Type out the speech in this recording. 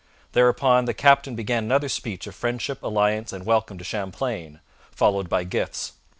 Thereupon the captain began another speech of friendship, alliance, and welcome to Champlain, followed by gifts.